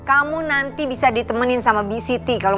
arai istirahat tahan